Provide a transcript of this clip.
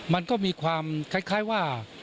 มันก็มีความคล้ายว่า